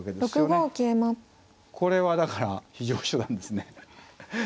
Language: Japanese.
これはだから非常手段ですね。